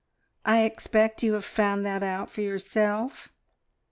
I expect you have found out that for yourself?"